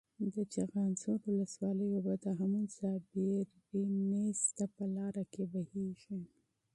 د چخانسور ولسوالۍ اوبه د هامون صابري جهیل ته په لاره کې بهیږي.